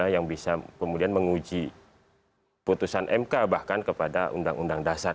yang bisa kemudian menguji putusan mk bahkan kepada undang undang dasar